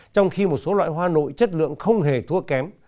trong khi một số loại hoa nội chất lượng không hề thua kém